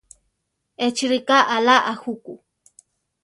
Échi ríka aʼlá a juku.